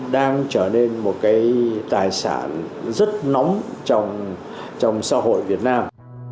đang trở nên một cái tài sản rất nóng trong xã hội việt nam